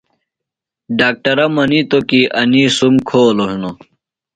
ڈاکٹرہ منِیتو کی انی سُم کھولوۡ ہنوۡ۔